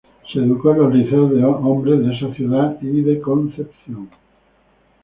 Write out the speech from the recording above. Se educó en los liceos de hombres de esa ciudad y de Concepción.